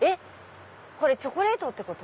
これチョコレートってこと？